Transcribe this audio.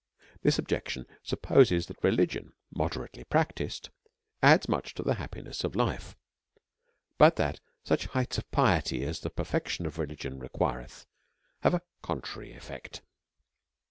This objection supposes that religion, moderately practised, adds much to the happiness of life ; but that such height of piety as the perfection of religion requireth, has a contrary cfl'ect.